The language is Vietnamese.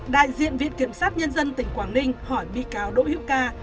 đại diện viện kiểm sát nhân dân tỉnh quảng ninh hỏi bị cáo đội hiệu ca